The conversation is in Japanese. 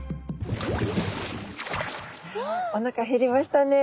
おなか減りましたね。